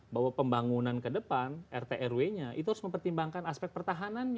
bahwa pembangunan ke depan rtrw nya itu harus mempertimbangkan aspek aspek yang penting